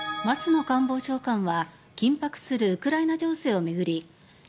松野官房長官は緊迫するウクライナ情勢を巡りＧ７